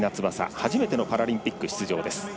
初めてのパラリンピック出場です。